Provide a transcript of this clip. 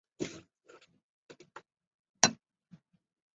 此剧讲述上流社会的青春男女危险但美丽的二十岁诱惑爱情故事。